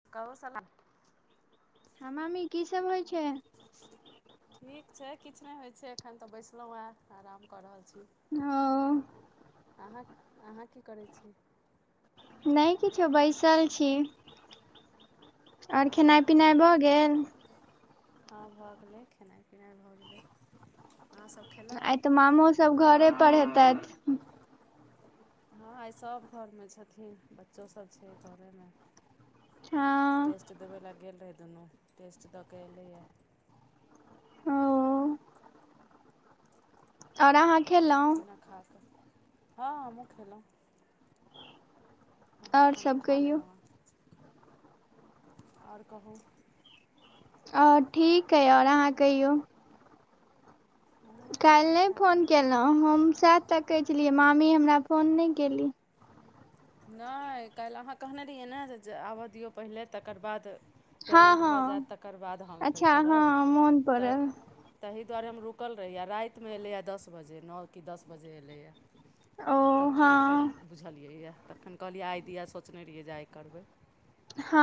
[unintelligible] हां मामी की सब होइ छैय? ठीक छैय किछु नहि होइत छैय एखन तऽ बैसलहुँ हेँ आराम कऽ रहल छी। ओ अहाँ अहाँ की करैत छी? नहि किछो बैसल छी आओर खेनाइ आओर पिनाइ भऽ गेल? हँ भऽ गेलै खेनाइ पिनाइ भऽ गेलै अहाँ सब आइ तऽ मामो सब घरे पर हेतैथ? हँ आइ सब घरमे छथिन बच्चो सभ छैय घरेमे। हँ टेस्ट देबै लए गेल रहै दुनू टेस्ट दऽ कऽ एयलैय। ओ और अहाँके खाना पीना खा कऽ हँ हमहूँ खे लहुँ हमहूँ आओर खाना सब खा कहियौ लेलहुँ हेँ आओर कहू। आओर ठीक अइ आओर अहाँ कहियौ। हमरो काल्हि ठीके नहि ठाक फोन अइ केलहुँ हम सैह तकय छलियै मामी हमरा फोन नहि केली। न‌ए काल्हि आहाँ कहने रहियै ने जे आबै दियौ पहिले तकर बाद हँ पेमेंट भऽ जायत हँ तकर बाद हम फेर अच्छा हँ करब मोन तय पड़ल ताहि दुआरे हम रुकल रहि रायतमे एलै ह दस बजे नओ कि दस बजे एलैय। ओ तखन फेर हँ बुझलियैया। तखन कहलियै आइ दिया सोचने रहियै जे आइ करबै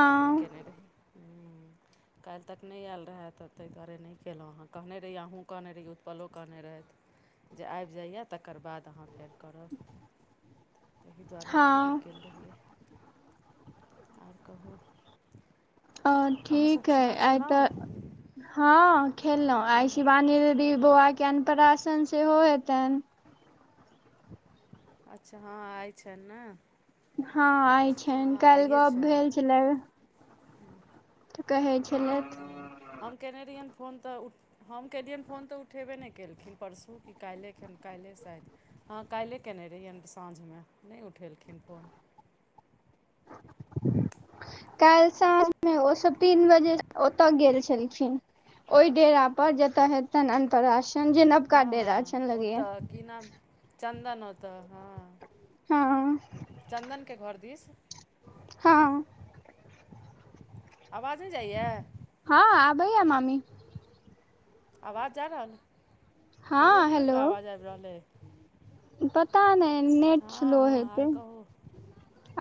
त न‌ए केने रही। [inaudible] काल्हि तक नहि आयल रहए त ताहि दुआरे न‌ए के्यहुँ हँ कहने रहय अहूँ कहने रहियै उत्पलो कहने रहथि। जे आबि जाइया तकर बाद अहाँ फेर करब ताहि दुआरे। हँ [unintelligible] आर कहु। अ ठीक हय आइ तऽ हँ खेललौ आइ शिवानी दीदी बौआ के अनपराशन सेहो हेतैन? अच्छा हँ आय छैन ने? हँ आय छैन हँ काल्हि आइए गप छनि भेल छलय। तऽ कहै छलैथ। ओ हम केने रहियनि फोन तऽ उ हम केलियनि फोन तऽ उठेबे न‌ए केलखिन परसू कि काल्हिए खेन काल्हिए शायद। हँ काल्हिए कयने रहियनि साँझमे न‌हि उठेलखिन फोन। काल्हि साँझमे ओसभ तीन बजे ओतोए गेल छलखिन ओहि डेरा पर जेतोअ हेतेन अन्तरा सन जे नबका हँ हँ डेरा छन लगेय ओतय की नाम चन्दन ओतऽ हँ हँ चन्दन के घर दिस हँ आवाज न‌ए जाइये हँ आबैये मामी आवाज जा रहल तऽ हँ रुक रुक कऽ हेलो आवाज आब रहलै अइ पता न‌ए नेट हँ स्लो हँ आर हेते कहू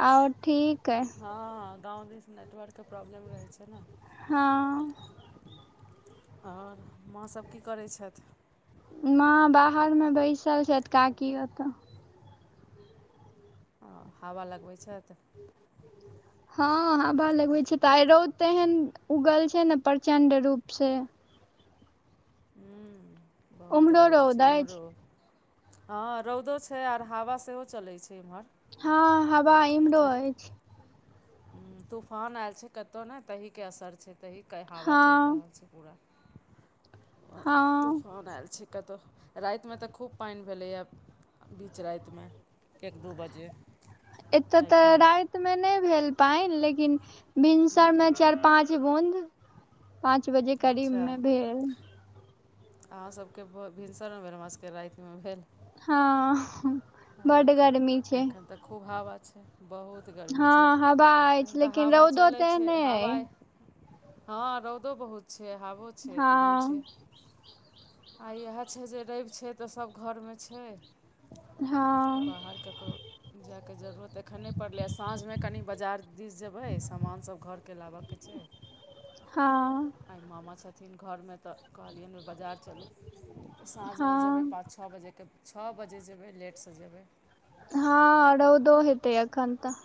आ ठीक अय हँ गाँव दिस नेटवर्क के प्रॉब्लम रहै छै ने हँ और माँ सभ की करै छैथ माँ बाहर मे बैसल छैथ काकी ओतऽ आ हवा लगबै छैथ [inaudible] हँ हवा लगबै छैथ त आ रौद तेहन उगल छै ने प्रचंड रूप से बहुत उम्हरो रौद छै इमहरो अछि हँ रौदो छै आर हवा सेहो चलैत छै एम्हर हँ हवा इमहरो अछि तूफान आयल छै कतहुँ नहि तहिके असर छै तहिके हवा चलि हँ रहल छै पूरा हँ तूफान आयल छी कतहु रातिमे तऽ खूब पानि भेलैए बीच रातिमे एक दू बजे एतय तऽ एहिठाम रातिमे नहि भेल पानि लेकिन भिनसरमे चारि पाँच बंद पाँच बजे करीब अच्छा मे भेल अहाँसभके भ भिनसर भेल हमरा सभके राति मे भेल हँ आ बड देखै गर्मी छै एखन तऽ खूब हवा छै बहुत बहुत गर्मी हँ छै हवा एखन अछि तऽ लेकिन हवा रौदो चलै छै तेहने हवा अइ हँ रौदो बहुत छै हावो छै हँ दुनू छै आ इएह छै जे रवि छै तऽ सभ घोर मे छै हँ बाहर ककरो जाइके जरूरत एखन नहि पड़लै साँझ मे कनि बजार दिस जेबै समान सब घोरके लाबऽ के छै हाँ आइ मामा छथिन घर में तऽ कहलिय अनि ओ बजार चलू साँझ मे जेबै हँ पाछू छः बजेके छः बजे जेबै लेट सँ जेबै हँ रौदो हेतै अखन तऽ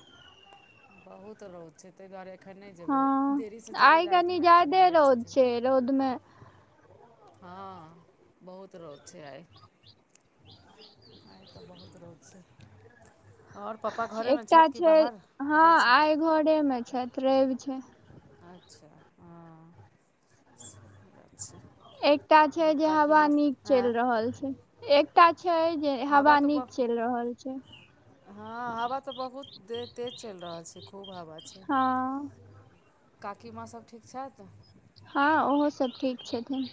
बहुत रौद छै ताहि दुआरे एखन नहि जेबै हँ देरी सँ जेबै आइ राति में कनि ज्यादे लेट सँ जेबै रौद में हाँ बहुत रौद छै आइ आइ तऽ बहुत रौद छै और पप्पा घरे में छथि कि बाहर गेल छथि घरे में छैथ रइब छै अच्छा हाँ अच्छा एकटा छै आओर जे काकी हवा माँ नीक चलि आँय रहल छै एकटा छै जे हवा नीक चलि रहल छै हाँ हवा तऽ बहुत दे तेज चलि रहल छै खूब हवा छै हँ काकी माँ सभ ठीक छैथ हँ ओहो सभ ठीक छथिन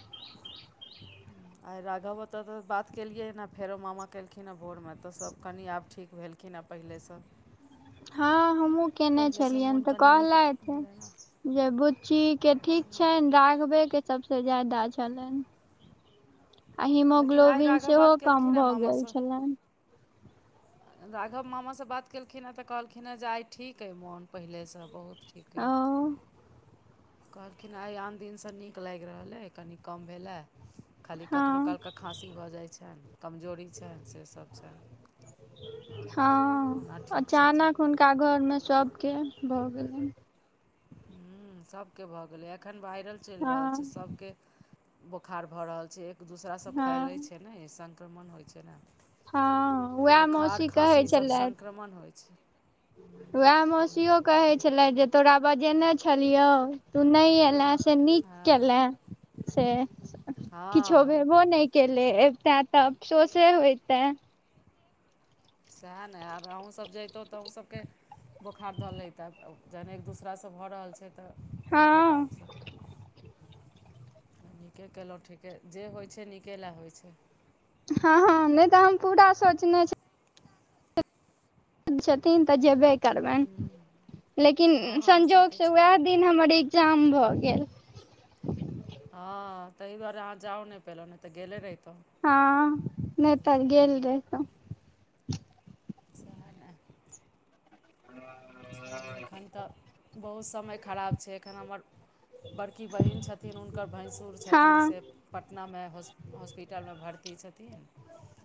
आइ राघव तऽ तऽ बात केलियै ने फेरो मामा केलखिन हँ भोर में तऽ सभ कनि आब ठीक भेल केना पहिले सँ हाँ हमहूँ कयने पहिलेसँ छलियनि मोन तऽ कनि नीक भेलनि हेँ कहलैथ जे बुच्ची के ठीक छन राघबे के सबसे ज्यादा छै छलनि आ लेकिन आइ हिमोग्लोबिन राघव सेहो बात कम केलखिन हेँ भऽ गेल मामासँ छलैन [inaudible] राघव मामा सँ बात केलखिन हे तऽ कहलखिन हे आइ ठीक आइ मौन पहिले सँ बहुत ठीक अऽ ओ कहलखिन आइ आन दिन सँ नीक लागि रहल अइ कऽनिक कम भेलै या खाली हँ कखनहु काल‌ के खाँसी भऽ जाइ छनि कमजोरी छैन से सभ छैन हाँ ठीक छथिन अचानक टा घर में सभके भऽ गेलनि हुँ सभके भऽ गेलै एखन वायरल चलि रहल छै हँ सभ के बोखार भऽ रहल छै एक दूसरासँ हँ फैलैत छै ने संक्रमण होइत छै ने हँ उएह बोखार मौसी कहै खाँसी ई सभ संक्रमण होइ छै वएह मौासियो कहै छलथि जे तोरा बजेने छलियौ तू नहि एले से नीक हँ केले से किछो हँ भेबो नहि केेल ते तऽ अफसोसे होयतै सएह ने आर अहूँ सभ जैतहुँ तऽ अहूँ सभ के बोखार धऽलै तऽ जहन एक दोसरा सँ भऽ रहल छै तऽ कोन हँ ठेकान सँ नीके केलहुँ ठीके जे होइत छै नीके लए होइ छै हाँ हाँ नहि तऽ हम पूरा सोचने जे छथिन तऽ जेबे करबनि लेकिन हँ हँ से तऽ संजोगसँ उएह छैहे दिन हमर ई एग्जाम भय गेल हाँ ताहि दुआरे अहाँ जाउ नहि पहिल नहि तऽ गेले रहितौ हँ नै तऽ गेल रहितौ सेहा न हम [inaudible] एखन तऽ बहुत समय खराब छै एखन हमर बड़की बहिन छथिन ऊन हुनकर भैंसुर छथिन हँ से पटना में हॉस्पिटल में भर्ती छथिन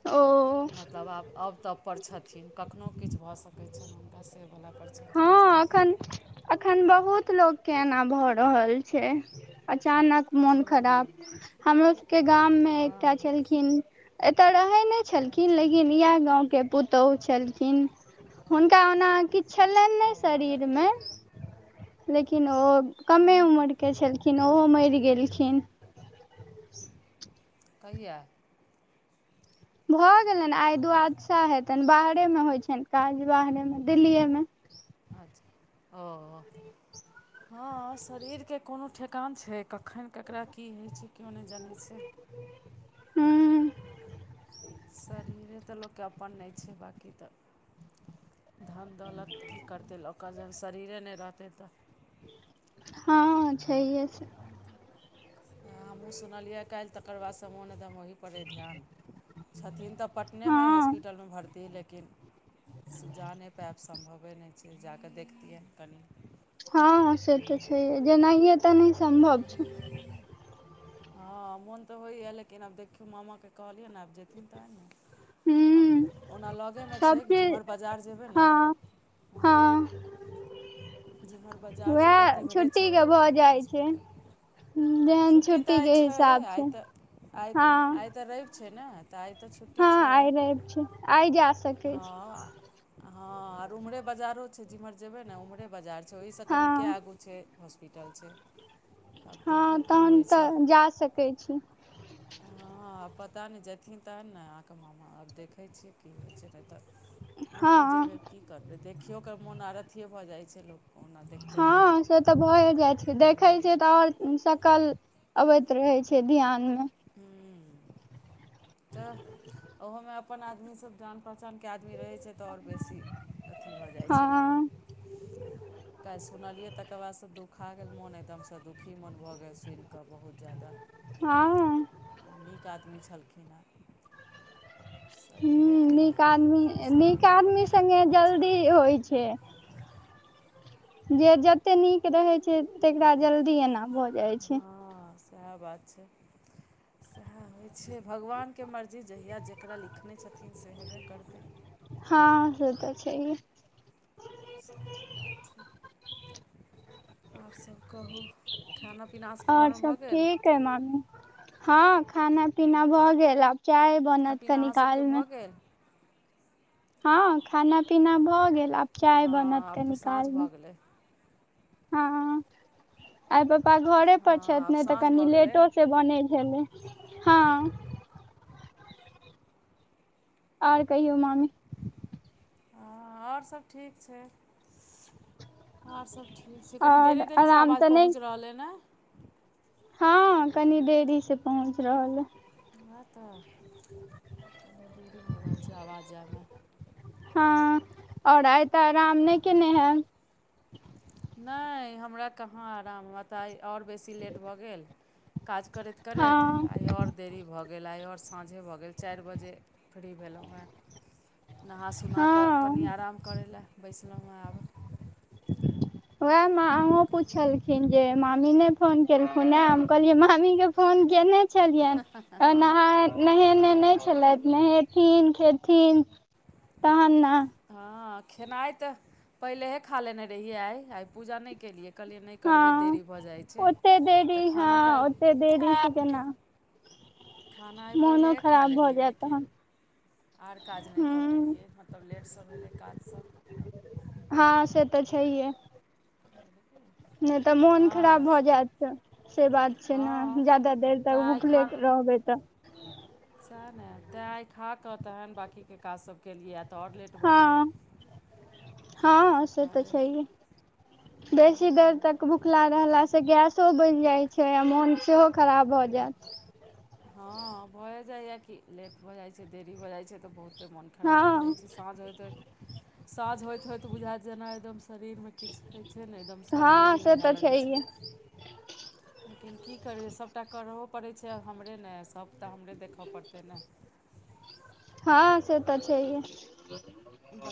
ओ मतलब आब आब तब पर छथिन कखनहु किछु भऽ सकै छनि हुनका से वाला बात हाँ ऐखन अखन बहुत लोक के एना भऽ रहल छै अचानक मोन खराब हमरो सबके गाम मे हँ एकटा छलखिन एतय रहैत नहि छलखिन अच्छा लेकिन इएह गाँवके पुतोहु छलखिन हुनका ओना किछु छलनि ओ नहि शरीरमे लेकिन ओ कमे उमरके छलखिन ओहो मरि गेलखिन कहिया भऽ गेलनि आइ दुू आदशा हेतनि बाहरे मे होइ छनि काज बाहरे मे दिल्लीे मे अच्छा ओ हँ शरीरके कोनो ठेकान छै कखन ककरा की होइ छै केओ नहि जानै छै ह्म शरीरे तऽ लोककेँ अपन नहि छै बाँकी तऽ धान दौलत की करतै ओकर जहन शरीरे नहि रहतै तऽ हाँ छैहे से हमहुँ सुनलियै काल्हि तकर बाद स मोन एकदम ओहिपरइ ध्यान छथिन तऽ पटनेमे हँ हॉस्पिटलमे भर्ती लेकिन [unintelligible] से जा नहि पायब सम्भवे नहि छै जा कऽ देखतियै कनि हँ से तऽ छै जे नहि तऽ नहि संभव छै हँ मोन तऽ होइए लेकिन आब देखियौ मामाके कहलियैन आब जेथिन तहन ने हूँ आब ओना लगेमे सब छै चीज जेम्हर बाजार जेबै ने हँ हँ जेम्हर बाजार जेयबै वएह तिम्हरे छै छुट्टी के भऽ ओ जाइ छै हॉस्पिटल जेहन छुट्टी तऽ आइ के छै हिसाब से आइ तऽ आ हँ आइ तऽ रवि छै ने तऽ आइ तऽ छुट्टी हँ छै आइ रैब छै आइ जा सकै छी हँ हँ आर उम्हरे बजारो छै जिम्हर जेबे ने उम्हरे बजार छै ओहि से कनिके हँ आगू छै हॉस्पिटल छै आब हँ देखियौ की तहन होइ छै तऽ जा सकै छी हँ आ पता नहि जेथिन तहन ने अहाँके मामा आब देखै छियै की होइ छै ने तऽ हँ नहिओ जेबै की करबै देखियो कऽ मोन आर अथिए भऽ जाइत छै लोक ओना देखतै तऽ हँ से तऽ भए जाइ छै देखै छियै तऽ आओर शकल अबैत रहे छै ध्यान मे हूम्म तऽ ओहोमे अपन आदमी सब जान पहचानके आदमी रहै छै तऽ आओर बेसी अथी भऽ जाइ छै मोन ह [inaudible] काल्हि सुनलियै तकर बाद से दुखा गेल मोन एकदमसँ दुखी मोन भऽ गेल सुनिकऽ बहुत ज्यादा दा हँ नीक आदमी छलखिन हेँ हूँ शरीरेके नीक की आदमी करबै शरीर अपने हाथमे नहि छै लोकके कि छै जे जते नीक रहैत छै तेकरा जल्दी एना भऽ जाइत छै हँ सएह बात छै सएह होइ छै भगवानके मर्जी जहिया जेकरा लिखने छथिन से हेबे करतै हँ से तऽ छैहे सेह बात छै आओर सभ कहू खाना पीना अहाँसभके आओर घरमे सब भऽ गेल ठीक अय मामी हँ खाना पीना भऽ गेल आब चाय खाना बनत पीना कनी अहाँसभके काल मे भऽ गेल हँ खाना पीना भऽ गेल आब चाय हँ बनत आब कनी तऽ साँझ काल मे भऽ गेलै हँ आइ पप्पा घरे हँ पर छथि आब ने तऽ साँझ कनि भऽ गेलै लेटो से बनै भेलै हँ आओर कहियौ मामी हँ आओर सभ ठीक छै आओर सभ ठीक ठीक छै कनि आओर देरी देेरीसँ आराम आवाज तऽ नहि पहुँच रहल अय ने हँ कनी देरी से पहुँच रहल अय वएह तऽ कनि देरी भऽ रहल छै आवाज जायमे हँ आओर आइ तऽ आराम नहि केने हैब नहि हमरा कहाँ आराम तऽ आइ आओर बेसी लेट भऽ गेल काज करैत करैत हँ आइ आओर देरी भऽ गेल आइ आओर साँझे भऽ गेल चारि बजे फ्री भेलहुँ हें नहा सुना कऽ कनि हँ आराम करै लए बैसलहुँ हें आब वएह माँहो पुछलखिन जे मामी नै फोन केलखुन ए हम कहलियै मामी के फोन केने छलियनि तऽ नहा हाय नहेने नहि छलथि नहेथिन खेथिन तहन ने हँ खेनाइ तऽ पहिलेहे खा लेने रहियै आइ आइ पूजा नहि केलियै कहलियै नहि करबै हँ देरी भऽ जाइ छै ओते देरी तऽ खाना तऽ हँ ओते देरी से आइ केना खाना आइ मोनो पहिलेहे खा खराब भऽ लेलियै जायत लेकिन तहन आर काज नहि कऽ हूँ पेलियै मतलब लेटसँ भेलै काजसभ हँ से तऽ छैेहे नहि तऽ मोन खराब हँ भऽ जायत से बात छै ने हँ ज्यादा देर तऽ तक आइ भुखले रहबै तऽ सह ने तै खा कह ते हैन बाकी के काज सब केलियए तऽ आओर लेट भऽ गेलै हँ हँ से तऽ दुआरे [inaudible] बेसी देर तक भुखला रहलास से गैसो बचि जाइत छै आ मोन सेहो खराब भऽ जायत हँ भऽ जाइय कि लेट भऽ जाइत छै देरी भऽ जाइत छै तऽ बहुत तऽ मोन खराब भऽ जाइ हँ छै साँझ होइतइतऽ साँझ होइत होइत बुझाइत जेना एकदम शरीरमे किछु होइ छै ने एकदम हँ कमजोरी से तऽ बुझाए लगै छै छैहे लेकिन की करियै सभटा करबो पड़ैत छै हमरे ने सभ तऽ हमरे देखऽ पड़तै ने हँ से तऽ छैहे ब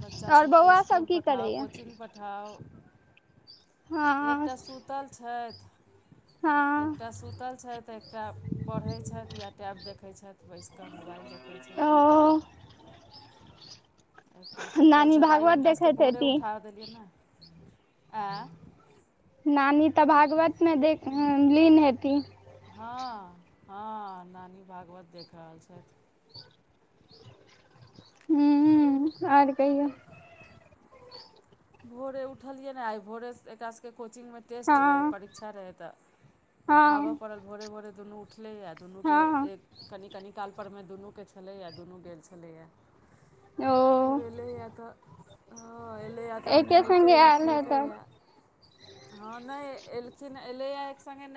बच्चा आओर सबके बौआ सब इसकुल की पठाउ करैया कोचिंग पठा ठाउ हँ एकटा सुूतल छथि हँ एकटा सूत पतल छथि एकटा पढ़ै छथि या टैब देखै छथि बैस कऽ मोबाइल देखैत छथि ओ [inaudible] एकटा सुतल नानी छथि तऽ आइ भागवत हिनका सबके देखैत भोरे हेती उठा देलियनि है ऐ नानी तऽ भागवतमे देख लीन हेती हँ हँ नानी भागवत देख रहल छथि हू आर कहियौ भोरे उठलियै ने आइ भोरेसँ एकरा सभके कोचिंगमे टेस्ट हँ रहै परीक्षा रहै तऽ उठाबय हँ पड़ल भोरे भोरे दुनू उठलैए दुनूके हँ एक कनि कनि कालप मे दुनूके छलैएा दुनू गेल छलैए ओ फेर एलैए तऽ हँ एलैए तहन एके संगे नहेलकैए आयल हेतऽ खेलकैए हँ नहि एलखिन एलै एक संगे नहि